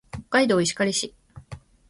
北海道石狩市